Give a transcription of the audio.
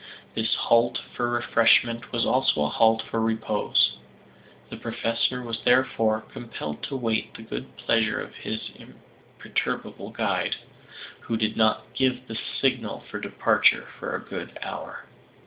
This halt for refreshment was also a halt for repose. The Professor was therefore compelled to wait the good pleasure of his imperturbable guide, who did not give the signal for departure for a good hour.